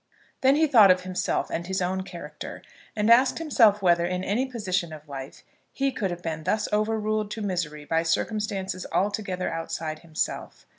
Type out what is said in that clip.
Then he thought of himself and his own character, and asked himself whether, in any position of life, he could have been thus overruled to misery by circumstances altogether outside himself.